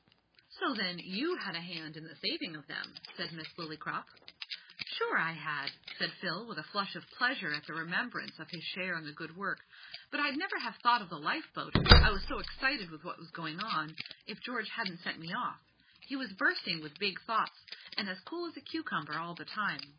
"So, then, you had a hand in the saving of them," said Miss Lillycrop. "Sure I had," said Phil with a flush of pleasure at the remembrance of his share in the good work; "but I'd never have thought of the lifeboat, I was so excited with what was going on, if George hadn't sent me off. He was bursting with big thoughts, and as cool as a cucumber all the time.